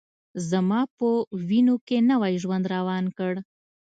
زما په وینوکې نوی ژوند روان کړ